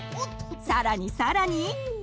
さらにさらに！